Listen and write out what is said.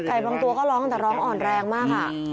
บางตัวก็ร้องแต่ร้องอ่อนแรงมากค่ะ